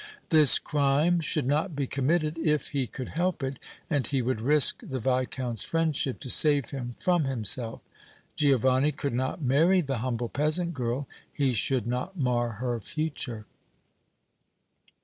This crime should not be committed, if he could help it, and he would risk the Viscount's friendship to save him from himself. Giovanni could not marry the humble peasant girl; he should not mar her future.